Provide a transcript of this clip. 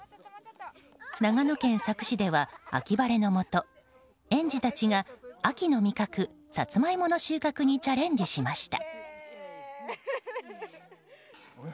長野県佐久市では秋晴れのもと園児たちが秋の味覚サツマイモの収穫にチャレンジしました。